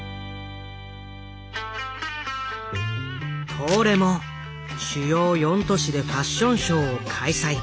東レも主要４都市でファッションショーを開催。